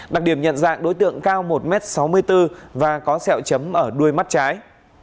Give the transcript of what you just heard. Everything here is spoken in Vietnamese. đặc điểm nhận dạng đối tượng cao một m sáu mươi bốn và có sẹo chấm ở đuôi mắt trái